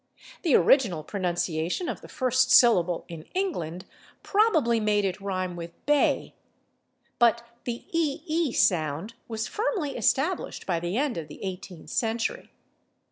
The original pronunciation of the first syllable, in England, probably made it rhyme with /bay/, but the /ee/ sound was firmly established by the end of the eighteenth century.